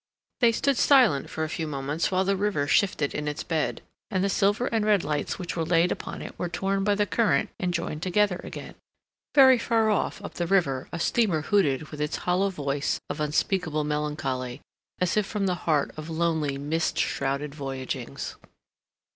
They stood silent for a few moments while the river shifted in its bed, and the silver and red lights which were laid upon it were torn by the current and joined together again. Very far off up the river a steamer hooted with its hollow voice of unspeakable melancholy, as if from the heart of lonely mist shrouded voyagings.